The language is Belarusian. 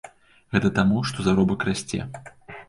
Гэта таму, што заробак расце.